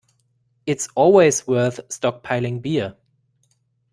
It’s always worth stockpiling beer.